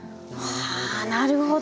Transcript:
はあなるほど！